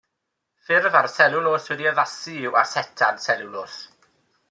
Ffurf ar seliwlos wedi'i addasu yw asetad seliwlos.